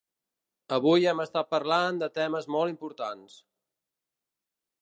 Avui hem estat parlant de temes molt importants.